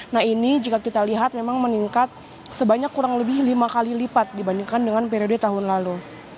nah ini jika kita lihat memang meningkat sebanyak kurang lebih lima kali lipat dibandingkan dengan periode tahun lalu